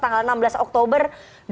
tanggal enam belas oktober dua ribu dua puluh